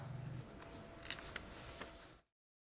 คือป้าไปดูครั้งแรกคิดว่าเขาเมาคือป้าไปดูครั้งแรกคิดว่าเขาเมา